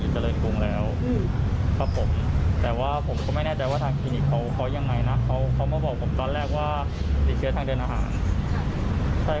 ใช่ครับแต่ผมไปถามหมอจิงหมอก็บอกว่าติดเชื้อทางจัดส่งเครือ